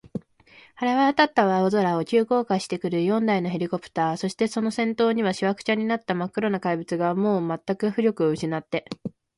晴れわたった青空を、急降下してくる四台のヘリコプター、その先頭には、しわくちゃになったまっ黒な怪物が、もうまったく浮力をうしなって、